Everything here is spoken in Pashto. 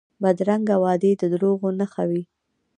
بدرنګه وعدې د دروغو نښه وي